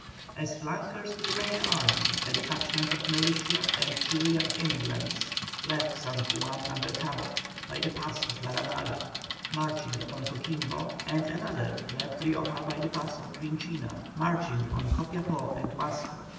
As flankers to the main army, a detachment of militia and Chilian emigrants left San Juan under Cabot, by the pass of La Ramada, marching upon Coquimbo, and another left Rioja by the pass of Vinchina, marching on Copiapó and Huasco.